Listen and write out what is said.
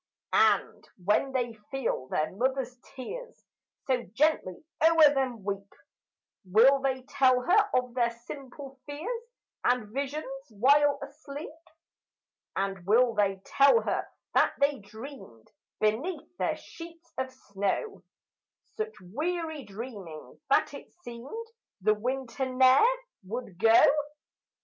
And when they feel their mother's tears So gently o'er them weep, Will they tell her of their simple fears And visions while asleep? And will they tell her that they dreamed, Beneath their sheets of snow, Such weary dreamings that it seemed The winter ne'er would go?